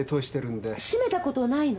締めたことないの？